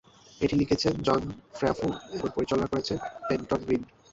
এটি লিখেছেন John Favreau এবং পরিচালনা করেছেন পেটন রিড।